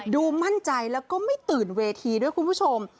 ดูมั่นใจแล้วก็ไม่ตื่นเวทีด้วยคุณผู้ชม